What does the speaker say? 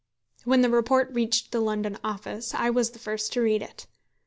When the report reached the London office I was the first to read it.